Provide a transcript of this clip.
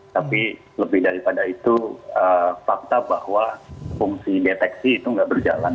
tapi lebih daripada itu fakta bahwa fungsi deteksi itu nggak berjalan